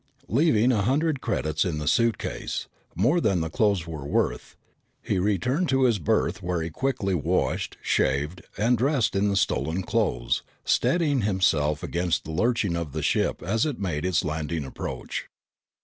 Leaving a hundred credits in the suitcase, more than the clothes were worth, he returned to his berth where he quickly washed, shaved, and dressed in the stolen clothes, steadying himself against the lurching of the ship as it made its landing approach.